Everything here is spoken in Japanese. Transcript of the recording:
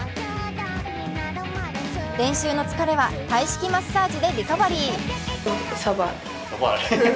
練習の疲れはタイ式マッサージでリカバリー。